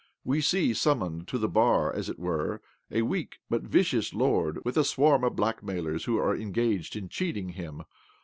We see sum moned to the bar, as it were, a weak, but vicious, lord, with a swarm of blackmailers who are engaged in cheating him.